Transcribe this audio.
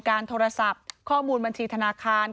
โทรศัพท์ข้อมูลบัญชีธนาคาร